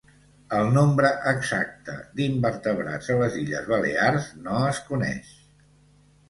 El nombre exacte d'invertebrats a les Illes Balears no es coneix.